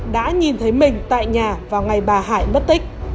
đã nhìn thấy mình tại nhà vào ngày bà hải mất tích